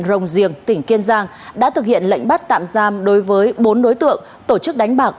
rồng giềng tỉnh kiên giang đã thực hiện lệnh bắt tạm giam đối với bốn đối tượng tổ chức đánh bạc